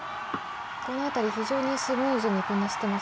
非常にスムーズにこなしています。